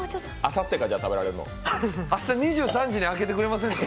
明日２３時に開けてくれませんか？